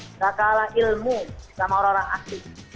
nggak kalah ilmu sama orang orang asing